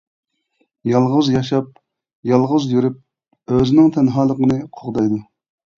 يالغۇز ياشاپ، يالغۇز يۈرۈپ، ئۆزىنىڭ تەنھالىقىنى قوغدايدۇ.